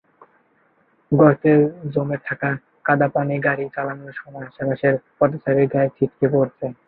গর্তে জমে থাকা কাদাপানি গাড়ি চলাচলের সময় আশপাশের পথচারীদের গায়ে ছিটকে পড়ছে।